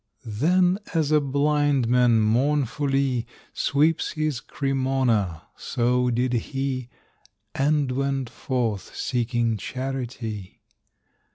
Then as a blind man mournfully Sweeps his Cremona, so did he, And went forth, seeking charity.